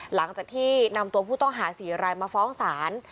หลังจากที่นำตัวผู้ต้องหา๔รายมาฟ้องศาล